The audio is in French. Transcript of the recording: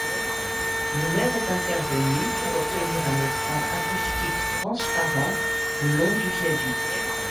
Le maire est intervenu pour obtenir un écran acoustique transparent le long du viaduc.